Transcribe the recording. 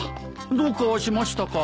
どうかしましたか？